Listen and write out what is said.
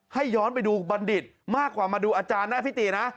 ย้อนไปดูบัณฑิตมากกว่ามาดูอาจารย์ได้พิตินะ